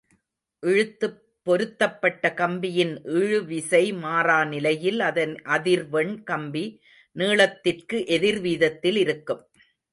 இழுத்துப் பொருத்தப்பட்ட கம்பியின் இழுவிசை மாறாநிலையில், அதன் அதிர்வெண் கம்பிநீளத்திற்கு எதிர்வீதத்தில் இருக்கும்.